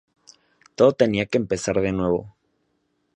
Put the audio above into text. Todo tenía que empezar de nuevo.